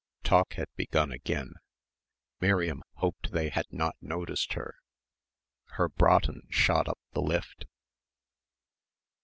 Talk had begun again. Miriam hoped they had not noticed her. Her "Braten" shot up the lift.